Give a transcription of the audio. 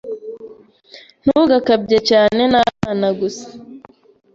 Ntugakabye cyane. Ni abana gusa.